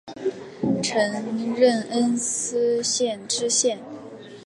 曾任恩施县知县。